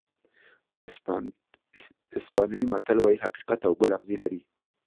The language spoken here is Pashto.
اسپانوي متل وایي حقیقت او ګل اغزي لري.